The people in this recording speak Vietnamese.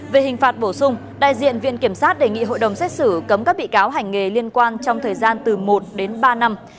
về hình phạt bổ sung đại diện viện kiểm sát đề nghị hội đồng xét xử cấm các bị cáo hành nghề liên quan trong thời gian từ một đến ba năm